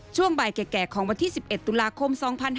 ช่วงบ่ายแก่ของวันที่๑๑ตุลาคม๒๕๕๙